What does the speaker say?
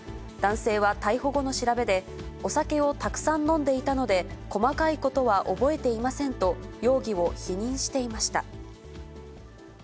男性は逮捕後の調べで、お酒をたくさん飲んでいたので、細かいことは覚えていませんと、容疑を否認していました。